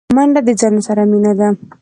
منډه د ځان سره مینه ده